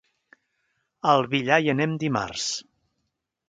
A el Villar hi anem dimarts.